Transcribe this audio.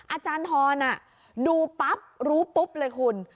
อาจารย์ทรดูปั๊บรู้ปุ๊บเลยคุณ